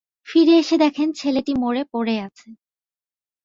ফিরে এসে দেখেন ছেলেটি মরে পড়ে আছে।